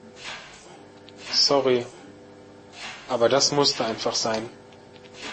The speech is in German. Sorry, aber das musste einfach sein.